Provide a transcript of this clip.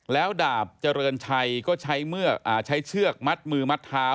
แล้วดาบเจริญชัยก็ใช้เชือกมัดมือมัดเท้า